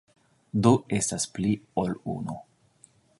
Du estas pli ol unu.